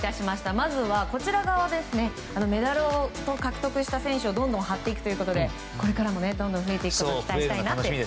まずは、こちらメダルを獲得した選手を貼っていくということでこれからもどんどん増えていくのを期待したいなと。